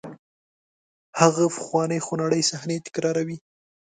هغه پخوانۍ خونړۍ صحنې تکراروئ.